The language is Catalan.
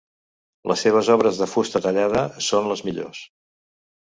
Les seves obres de fusta tallada són les millors.